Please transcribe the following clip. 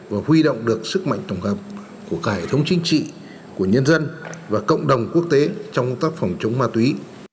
và huy động được sức mạnh tổng hợp của cả hệ thống chính trị của nhân dân và cộng đồng quốc tế trong công tác phòng chống ma túy